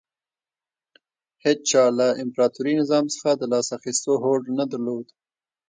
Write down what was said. هېچا له امپراتوري نظام څخه د لاس اخیستو هوډ نه درلود